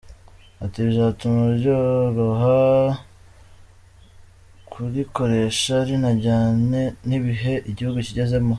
Ati, bizatuma ryoroha kurikoresha, rinajyane n’ibihe igihugu kigezemo.